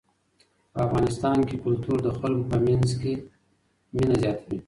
په افغانستان کې کلتور د خلکو په منځ کې مینه زیاتوي.